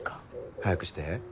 早くして。